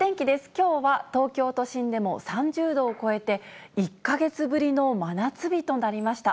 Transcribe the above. きょうは東京都心でも３０度を超えて、１か月ぶりの真夏日となりました。